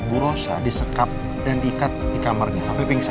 bu rosa disekap dan diikat di kamar dia sampai pingsan